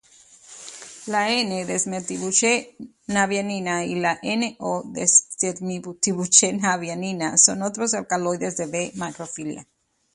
La "N"-desmetilbuchenavianina, y la "N","O"-bisdesmetilbuchenavianina son otros alcaloides de "B. macrophylla"